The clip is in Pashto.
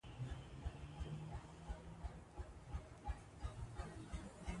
د پښتو ژبې پرمختګ د هر پښتون مسؤلیت دی.